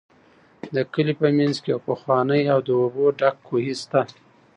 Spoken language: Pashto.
د کلي په منځ کې یو پخوانی او د اوبو ډک کوهی شته.